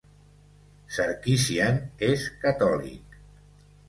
Sarkisian és catòlic.